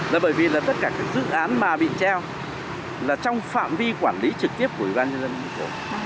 là bởi vì là tất cả các dự án mà bị treo là trong phạm vi quản lý trực tiếp của ủy ban nhân dân thành phố